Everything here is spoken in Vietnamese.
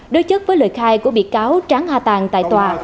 đối chất với lời khai của bị cáo tráng hà tàng tại tòa